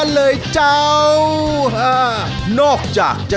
ดีเจนุ้ยสุดจีลา